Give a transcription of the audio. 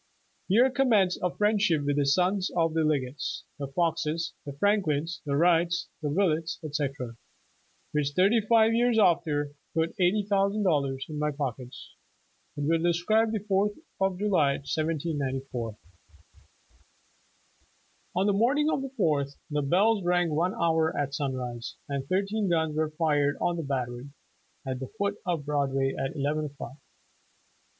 Here commenced a friendship with the sons of the Leggetts, the Foxes, the Franklins, the Wrights, the Willets, etc., which thirty live years after, pat eighty thousand dol lars in my pockets, — but we'll describe the Fourth of July, 1794. "On the morning of the Fourth the bells rang one hour at sunrise, and thirteen guns were fired on the Battery, at the foot of Broadway, at eleven o'clock.